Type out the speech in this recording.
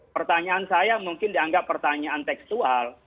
pertanyaan saya mungkin dianggap pertanyaan tekstual